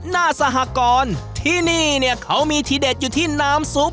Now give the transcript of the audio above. หน้าสหกรที่นี่เนี่ยเขามีทีเด็ดอยู่ที่น้ำซุป